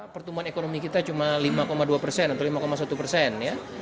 pertumbuhan ekonomi kita cuma lima dua persen atau lima satu persen